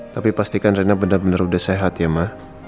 tapi pastikan reina benar benar udah sehat ya ma